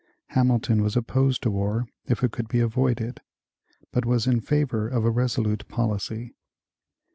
Hamilton was opposed to war if it could be avoided, but was in favor of a resolute policy.